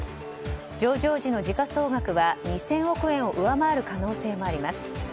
上場時の時価総額は２０００億円を上回る可能性もあります。